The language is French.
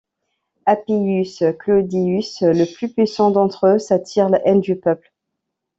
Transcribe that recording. Appius Claudius, le plus puissant d'entre eux, s'attire la haine du peuple.